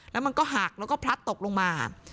แล้วมันก็หักแล้วก็พลัดตกลงมา